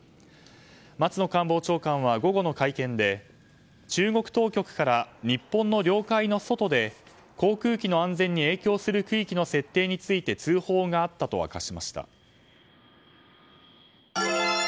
松野官房長官は午後の会見で中国当局から日本の領海の外で航空機の安全に影響する区域の設定について通報があったと明かしました。